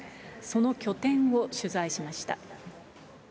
その拠点を取材しました。